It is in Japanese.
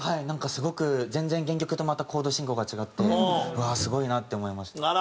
すごく全然原曲とまたコード進行が違ってうわーすごいなって思いました。